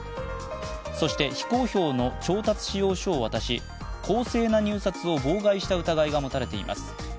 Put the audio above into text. そして、非公表の調達仕様書を私、公正な入札を妨害した疑いが持たれています。